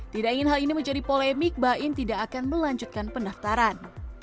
tidak ingin hal ini menjadi polemik baim tidak akan melanjutkan pendaftaran